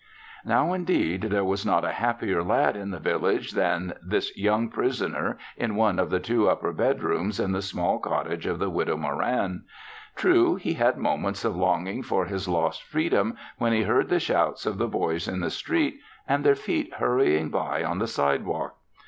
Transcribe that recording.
Now, indeed, there was not a happier lad in the village than this young prisoner in one of the two upper bedrooms in the small cottage of the Widow Moran. True, he had moments of longing for his lost freedom when he heard the shouts of the boys in the street and their feet hurrying by on the sidewalk.